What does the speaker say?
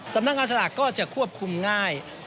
สำนักงานสลากก็จะควบคุมง่าย